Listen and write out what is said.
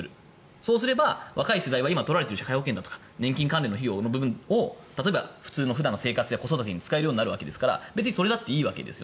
そうすれば若い世代は今取られている社会保険料だとか年金関連費用を普通の普段の生活や子育てに使えるようになるから別にそれだっていいわけです。